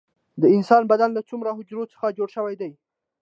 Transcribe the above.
د انسان بدن له څومره حجرو څخه جوړ شوی دی